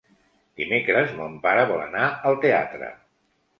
Dimecres mon pare vol anar al teatre.